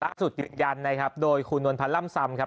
ยืนยันนะครับโดยคุณนวลพันธ์ล่ำซำครับ